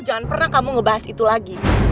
jangan pernah kamu ngebahas itu lagi